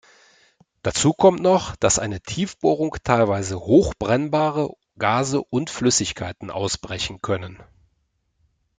Dazu kommt noch, dass eine Tiefbohrung teilweise hoch brennbare Gase und Flüssigkeiten ausbrechen können.